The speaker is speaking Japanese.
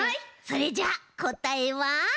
それじゃあこたえは。